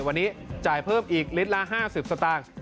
วันนี้จ่ายเพิ่มอีกลิตรละ๕๐สตางค์